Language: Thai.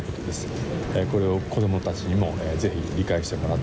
เพื่อนลูกตัวนี้ต้องรับรับรับรับ